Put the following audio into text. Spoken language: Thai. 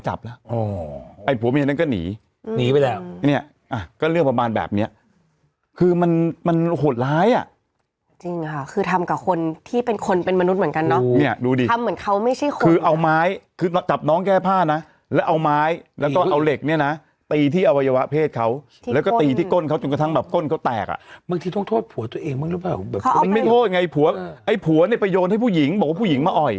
จริงค่ะคือทำกับคนที่เป็นคนเป็นมนุษย์เหมือนกันเนอะเนี่ยดูดิทำเหมือนเขาไม่ใช่คนคือเอาไม้คือจับน้องแก้ผ้านะแล้วเอาไม้แล้วก็เอาเหล็กเนี่ยนะตีที่อวัยวะเพศเขาแล้วก็ตีที่ก้นเขาจนกระทั่งแบบก้นเขาแตกอ่ะบางทีต้องโทษผัวตัวเองบ้างรึเปล่าไม่โทษยังไงผัวไอ้ผัวเนี่ยไปโยนให้ผู้หญ